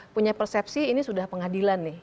punya persepsi ini sudah pengadilan nih